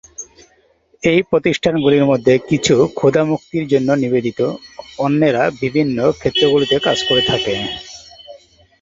এই প্রতিষ্ঠানগুলির মধ্যে কিছু ক্ষুধা মুক্তির জন্য নিবেদিত, অন্যেরা বিভিন্ন ক্ষেত্রগুলিতে কাজ করে থাকে।